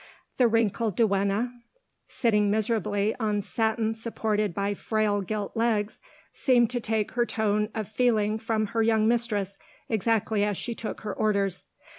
The wrinkled duenna, sitting miserably on satin supported by frail gilt legs, seemed to take her tone of feeling from her young mistress, exactly as she took her orders.